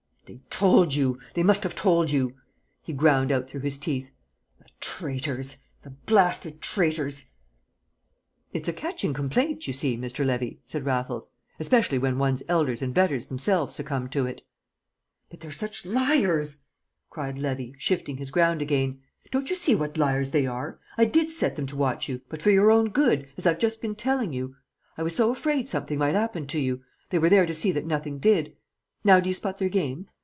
"They told you! They must have told you!" he ground out through his teeth. "The traitors the blasted traitors!" "It's a catching complaint, you see, Mr. Levy," said Raffles, "especially when one's elders and betters themselves succumb to it." "But they're such liars!" cried Levy, shifting his ground again. "Don't you see what liars they are? I did set them to watch you, but for your own good, as I've just been telling you. I was so afraid something might 'appen to you; they were there to see that nothing did. Now do you spot their game?